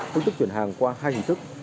phương tức chuyển hàng qua hai hình thức